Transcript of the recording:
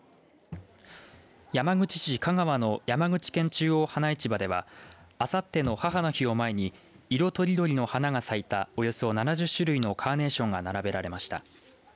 山口市嘉川の山口県中央花市場ではあさっての母の日を前に色とりどりの花が咲いたおよそ７０種類のカーネーションが並べられました。